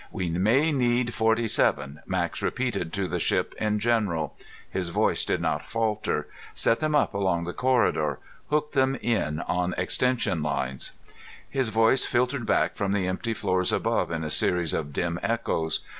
"We may need forty seven," Max repeated to the ship in general. His voice did not falter. "Set them up along the corridor. Hook them in on extension lines." His voice filtered back from the empty floors above in a series of dim echoes.